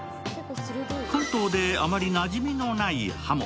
関東であまりなじみのないハモ。